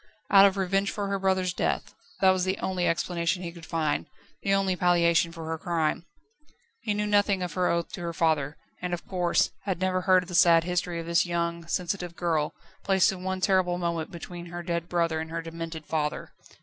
Out of revenge for her brother's death that was the only explanation he could find, the only palliation for her crime. He knew nothing of her oath to her father, and, of course, had never heard of the sad history of this young, sensitive girl placed in one terrible moment between her dead brother and her demented father.